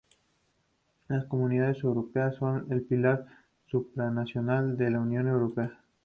Las Comunidades Europeas son el pilar supranacional de la Unión Europea.